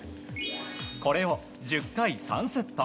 これを１０回３セット。